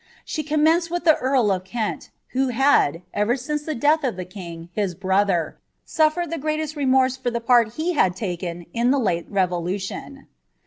She commenced with the earl of Kent, who had, ever since the death of the king, his brother, suffered the greatest remorse for the part he had taken in the late revolution.